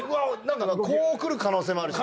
こう来る可能性もあるし。